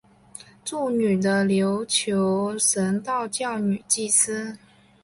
祝女的琉球神道教女祭司。